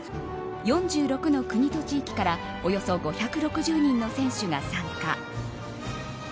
４６の国と地域からおよそ５６０人の選手が参加。